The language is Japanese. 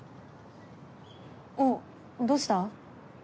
おうどうした？